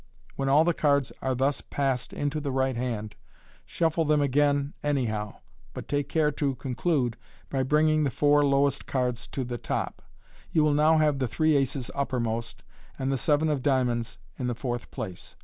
When all the cards are thus passed into the right hand, shuffle them again anyhow, but take care to conclude by bringing the four lowest cards to 'die top j you will now have the three aces uppermost, and the seven of dia monds in the fourth place.